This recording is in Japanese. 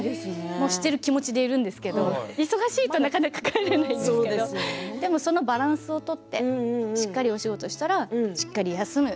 もう、している気持ちでいるんですけど忙しいとなかなか帰ることができませんけどバランスを取ってしっかりお仕事したらしっかり休む。